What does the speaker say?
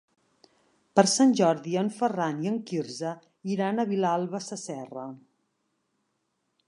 Per Sant Jordi en Ferran i en Quirze iran a Vilalba Sasserra.